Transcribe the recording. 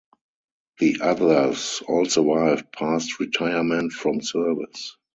The others all survived past retirement from service.